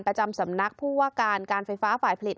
ประจำสำนักผู้ว่าการการไฟฟ้าฝ่ายผลิต